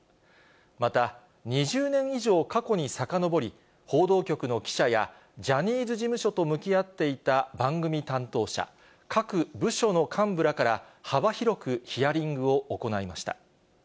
また、２０年以上過去にさかのぼり、報道局の記者やジャニーズ事務所と向き合っていた番組担当者、各部署の幹部らから幅広くヒアリングを行いました。